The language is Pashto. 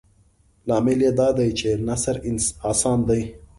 لامل یې دادی چې نثر اسان دی.